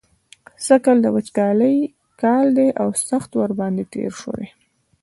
سږکال د وچکالۍ کال دی او سخت ورباندې تېر شوی.